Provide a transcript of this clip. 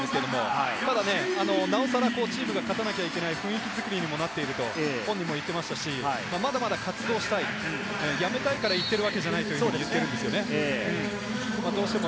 僕もそんな話を聞いた時は、いすから転げ落ちそうになったのを必死にこらえたんですけれども、なおさらチームが勝たなきゃいけない雰囲気作りにもなっていると本人も言っていましたし、まだまだ活動したい、やめたいから言っているわけじゃないと言っているんですよね。